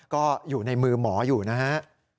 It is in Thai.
ก็อยู่ในมือหมออยู่นะฮะ